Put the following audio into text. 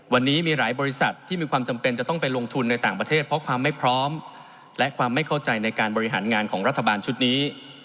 วันนี้มีหลายบริษัทที่มีความจำเป็นจะต้องไปลงทุนในต่างประเทศเพราะความไม่พร้อมและความไม่เข้าใจในการบริหารงานของรัฐบาลชุดนี้